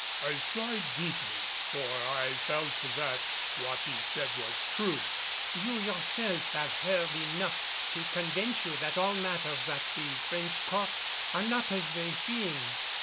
I sighed deeply, for I felt that what he said was true. "You yourself have heard enough to convince you that all matters at the French court are not as they seem.